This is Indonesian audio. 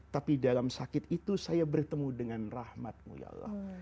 tapi dalam sakit itu saya bertemu dengan rahmatmu ya allah